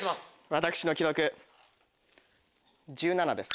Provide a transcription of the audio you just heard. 私の記録１７です。